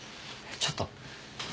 ちょっと。